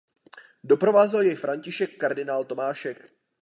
Doprovázel jej František kardinál Tomášek.